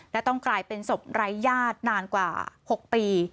และต้องกลายเป็นศพไร้ญาตินานกว่า๖ปี